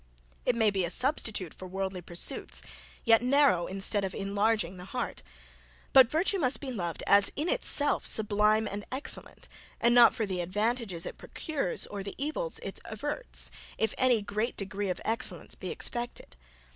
It may be a substitute for worldly pursuits; yet narrow instead of enlarging the heart: but virtue must be loved as in itself sublime and excellent, and not for the advantages it procures or the evils it averts, if any great degree of excellence be expected.